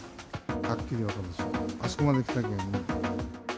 はっきり分かるでしょ、あそこまで来たけん。